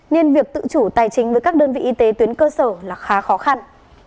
nên việc tự chủ tài chính với các đơn vị y tế tuyến cơ sở là khá khó khăn